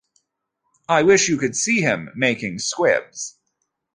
I wish you could see him making squibs.